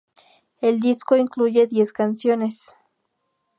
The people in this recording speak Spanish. El disco incluye diez canciones.